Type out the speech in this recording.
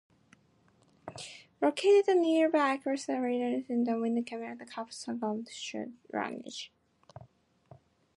Located nearby across the railroads is the Winnemucca Trap Club shooting range.